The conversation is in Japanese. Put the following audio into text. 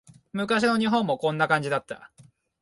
昔の日本もこんな感じだった